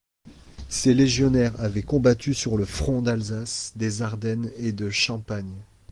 Ces légionnaires avaient combattu sur le front d'Alsace, des Ardennes et de Champagne.